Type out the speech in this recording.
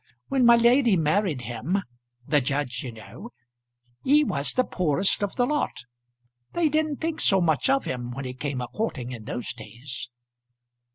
When my lady married him, the judge, you know, he was the poorest of the lot. They didn't think so much of him when he came a courting in those days."